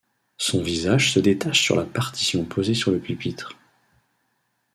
Son visage se détache sur la partition posée sur le pupitre.